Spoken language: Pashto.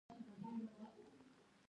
آیا دا د پښتنو هویت نه دی؟